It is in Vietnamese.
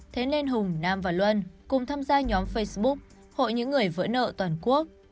thế nên hùng nam và luân cùng tham gia nhóm facebook hội những người vỡ nợ toàn quốc